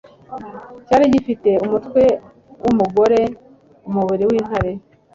Cyari gifite umutwe wumugore umubiri wintare